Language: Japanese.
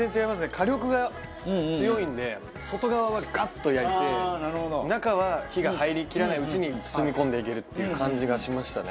火力が強いんで外側はガッと焼いて中は火が入りきらないうちに包みこんでいけるっていう感じがしましたね。